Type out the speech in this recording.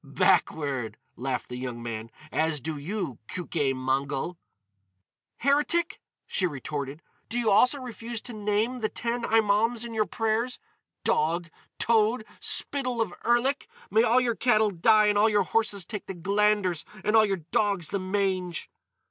"Backward!" laughed the young man, "—as do you, Keuke Mongol!" "Heretic!" she retorted. "Do you also refuse to name the ten Imaums in your prayers? Dog! Toad! Spittle of Erlik! May all your cattle die and all your horses take the glanders and all your dogs the mange!"